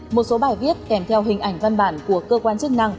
một số bài viết kèm theo hình ảnh văn bản của cơ quan chức năng